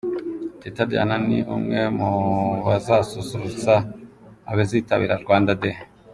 Teta Diana ni umwe mu bazasusurutsa abazitabira Rwanda Day.